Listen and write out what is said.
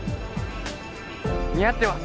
似合ってます